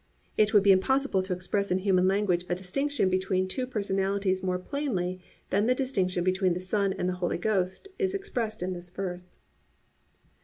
It would be impossible to express in human language a distinction between two personalities more plainly than the distinction between the Son and the Holy Ghost is expressed in this verse.